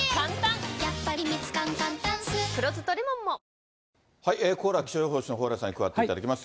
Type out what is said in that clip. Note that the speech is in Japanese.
さらに日本の広い範囲で、ここからは気象予報士の蓬莱さんに加わっていただきます。